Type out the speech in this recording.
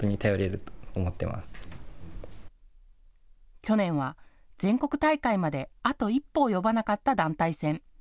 去年は全国大会まであと一歩、及ばなかった団体戦。